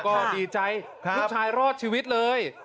ก็ดีใจลูกชายรอดชีวิตเลย